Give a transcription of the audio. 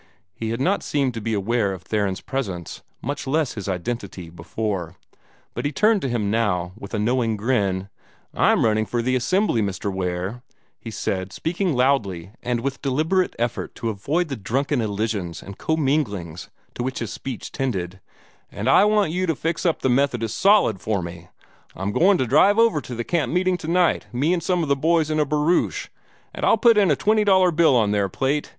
He had not seemed to be aware of Theron's presence, much less his identity, before; but he turned to him now with a knowing grin. "I'm running for the Assembly, Mr. Ware," he said, speaking loudly and with deliberate effort to avoid the drunken elisions and comminglings to which his speech tended, "and I want you to fix up the Methodists solid for me. I'm going to drive over to the camp meeting tonight, me and some of the boys in a barouche, and I'll put a twenty dollar bill on their plate.